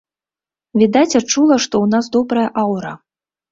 Відаць, адчула, што ў нас добрая аўра.